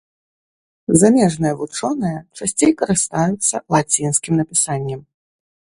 Замежныя вучоныя часцей карыстаюцца лацінскім напісаннем.